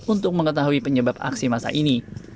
untuk mengetahui penyebab aksi masa ini